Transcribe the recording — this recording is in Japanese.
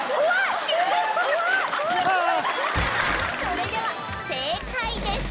それでは正解です